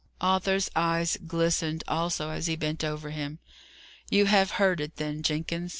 Arthur's eyes glistened also as he bent over him. "You have heard it, then, Jenkins?